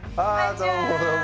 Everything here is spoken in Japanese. どうもどうも。